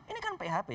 ini kan php